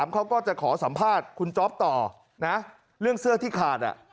เขาก็จะขอสัมภาษณ์คุณจ๊อปต่อนะเรื่องเสื้อที่ขาด